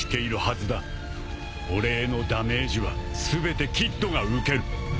俺へのダメージは全てキッドが受ける。